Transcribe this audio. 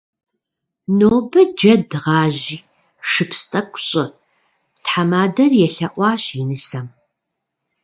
Нобэ джэд гъажьи шыпс тӏэкӏу щӏы, - тхьэмадэр елъэӏуащ и нысэм.